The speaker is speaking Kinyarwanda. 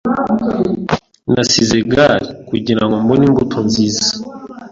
Nasize gall kugirango mbone imbuto nziza